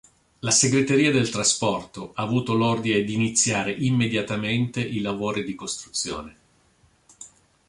La segreteria del trasporto ha avuto l'ordine di iniziare immediatamente i lavori di costruzione.